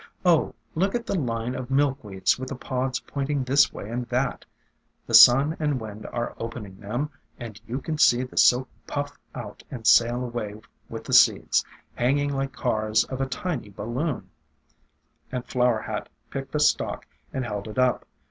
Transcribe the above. Oh, look at the line of Milk weeds with the pods pointing this way and that! The sun and wind are opening them, and you can see the silk puff out and sail away with the seeds, hanging like cars of a tiny balloon;" and Flower Hat picked a stalk and held it up.